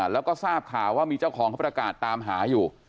แล้วก็ทราบข่าวว่ามีเจ้าของเขาประกาศตามหาอยู่